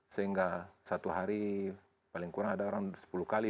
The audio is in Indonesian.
sehingga satu hari paling kurang ada orang sepuluh kali